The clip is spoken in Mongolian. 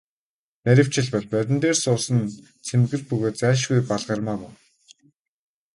Нарийвчилбал, морин дээр суусан нь цэмцгэр бөгөөд зайлшгүй Балгармаа мөн.